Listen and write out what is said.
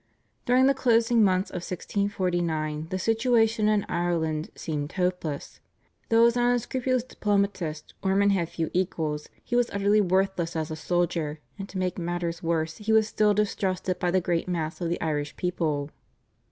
During the closing months of 1649 the situation in Ireland seemed hopeless. Though as an unscrupulous diplomatist Ormond had few equals, he was utterly worthless as a soldier, and to make matters worse he was still distrusted by the great mass of the Irish people.